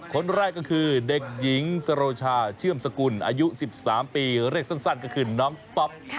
คนแรกก็คือเด็กหญิงสโรชาเชื่อมสกุลอายุ๑๓ปีเรียกสั้นก็คือน้องป๊อป